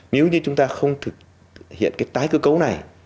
nếu như chúng ta không thực hiện cái tái cơ cấu này